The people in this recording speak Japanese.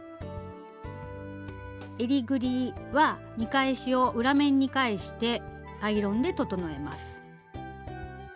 えりぐりは見返しを裏面に返してアイロンで整えます。